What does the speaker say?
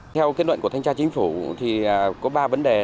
theo kết luận của thanh tra chính phủ thì có ba vấn đề